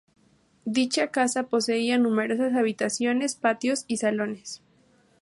Dicha casa poseía numerosas habitaciones, patios, y salones.